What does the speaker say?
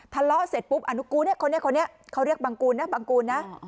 ทะเลาะเสร็จปุ๊บอนุกูเนี่ยคนนี้คนนี้เขาเรียกบังกูลนะบังกูลนะ